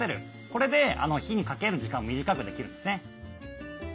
これで火にかける時間を短くできるんですね。